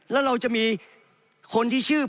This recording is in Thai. แล้วเราจะมีคนที่ชื่อ